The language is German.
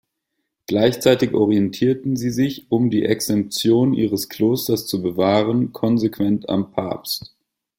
Gleichzeitig orientierten sie sich, um die Exemtion ihres Klosters zu bewahren, konsequent am Papst.